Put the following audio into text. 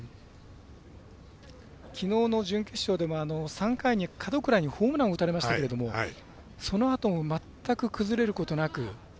きのうの準決勝でも３回に門倉にホームランを打たれましたけどそのあとまったく崩れることなく。